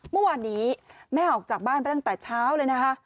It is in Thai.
เมื่อวานนี้แม่ออกจากบ้านไปตั้งแต่เช้าเลยนะคะ